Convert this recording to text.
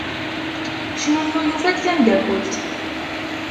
Cnunnu yufa-d tamdakelt.